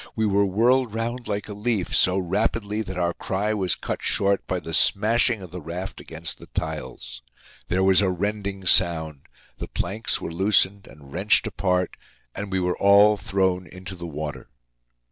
We were whirled round like a leaf, so rapidly that our cry was cut short by the smashing of the raft against the tiles. There was a rending sound, the planks were loosened and wrenched apart, and we were all thrown into the water.